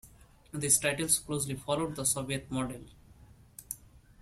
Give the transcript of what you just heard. These titles closely followed the Soviet model.